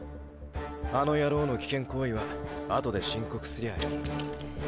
あの野郎の危険行為はあとで申告すりゃあいい。